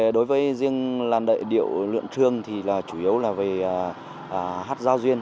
đối với riêng làm điệu lượn trương thì chủ yếu là về hát giao duyên